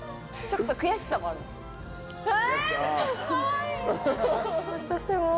え！